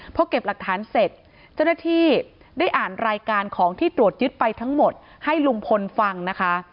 พอเก็บหลักฐานเสร็จเจ้าหน้าที่ได้อ่านรายการของที่ตรวจยึดไปทั้งหมดให้ลุงพลฟังนะคะ